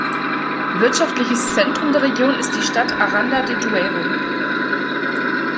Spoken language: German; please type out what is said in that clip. Wirtschaftliches Zentrum der Region ist die Stadt Aranda de Duero.